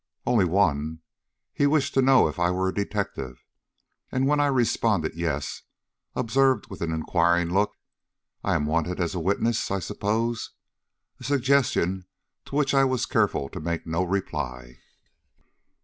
"Only one. He wished to know if I were a detective. And when I responded 'Yes,' observed with an inquiring look: 'I am wanted as a witness, I suppose.' A suggestion to which I was careful to make no reply."